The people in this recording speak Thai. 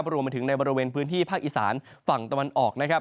รวมไปถึงในบริเวณพื้นที่ภาคอีสานฝั่งตะวันออกนะครับ